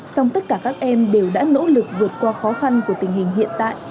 song tất cả các em đều đã nỗ lực vượt qua khó khăn của tình hình hiện tại